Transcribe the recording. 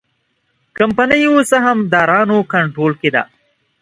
کمپنیو سهامدارانو کنټرول کې ده.